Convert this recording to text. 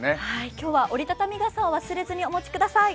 今日は折り畳み傘を忘れずにお持ちください。